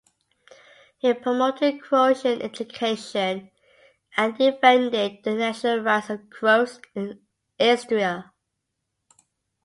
He promoted Croatian education and defended the national rights of Croats in Istria.